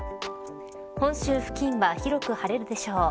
本州付近は広く晴れるでしょう。